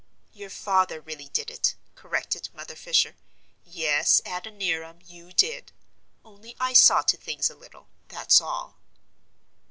"Your father really did it," corrected Mother Fisher. "Yes, Adoniram, you did, only I saw to things a little, that's all."